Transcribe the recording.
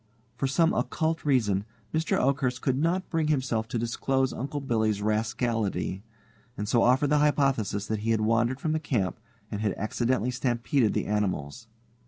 For some occult reason, Mr. Oakhurst could not bring himself to disclose Uncle Billy's rascality, and so offered the hypothesis that he had wandered from the camp and had accidentally stampeded the animals.